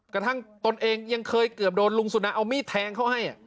กระทั่งตนเองยังเคยเกือบโดนลุงสุนาเอามีแทงเขาให้